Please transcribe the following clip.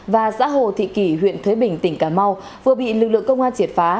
và xã hồ thị kỷ huyện thới bình tỉnh cà mau vừa bị lực lượng công an triệt phá